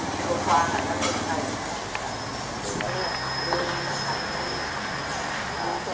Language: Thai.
สวัสดีครับ